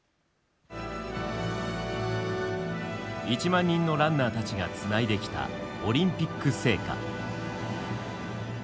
１万人のランナーたちがつないできたオリンピック聖火。